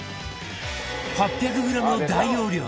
８００グラムの大容量